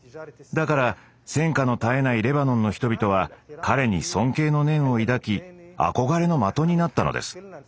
だから戦禍の絶えないレバノンの人々は彼に尊敬の念を抱き憧れの的になったのです。